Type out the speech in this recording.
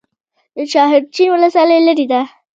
د شاحرچین ولسوالۍ لیرې ده